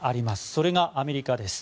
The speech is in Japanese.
それがアメリカです。